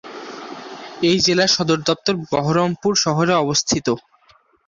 এই জেলার সদর দপ্তর বহরমপুর শহরে অবস্থিত।